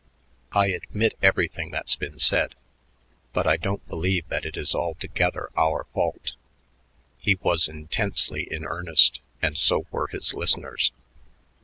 "I admit everything that's been said, but I don't believe that it is altogether our fault." He was intensely in earnest, and so were his listeners.